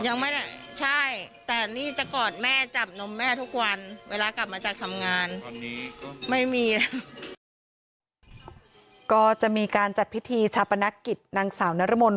ยังไม่ได้ใช่แต่นี่จะกอดแม่จับนมแม่ทุกวันเวลากลับมาจากทำงาน